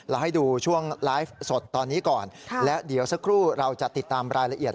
ให้ดูช่วงไลฟ์สดตอนนี้ก่อนและเดี๋ยวสักครู่เราจะติดตามรายละเอียด